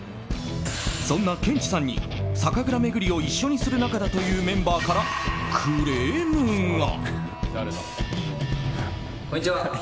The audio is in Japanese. そんなケンチさんに酒蔵巡りを一緒にする仲だというメンバーからクレームが。